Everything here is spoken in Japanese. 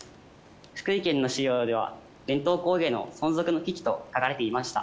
福井県の資料では伝統工芸の存続の危機と書かれていました。